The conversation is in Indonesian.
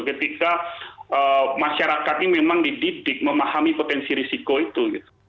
ketika masyarakat ini memang dididik memahami potensi risiko itu